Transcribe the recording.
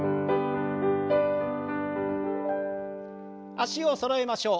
脚をそろえましょう。